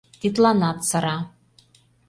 Тидланат сыра.